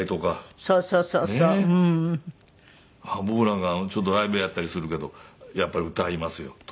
僕らがちょっとライブやったりするけどやっぱり歌いますよ。